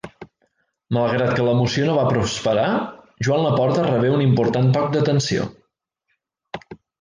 Malgrat que la moció no va prosperar, Joan Laporta rebé un important toc d'atenció.